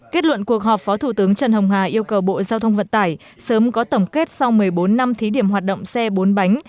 kết luận cuộc họp phó thủ tướng trần hồng hà yêu cầu bộ giao thông vận tải sớm có tổng kết sau một mươi bốn năm thí điểm hoạt động xe bốn bánh